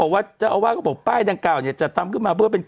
วัดเจ้าอาวาวเค้าบอก